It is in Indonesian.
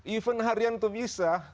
event harian itu bisa